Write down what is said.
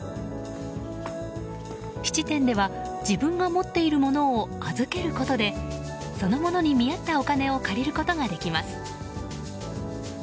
質店では自分が持っている物を預けることでその物に見合ったお金を借りることができます。